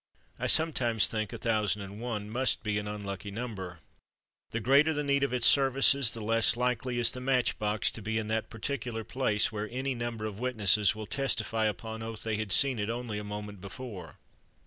I sometimes think "a thousand and one" must be an unlucky number. The greater the need of its services the less likely is the match box to be in that particular place where any number of witnesses will testify upon oath they had seen it only a moment before.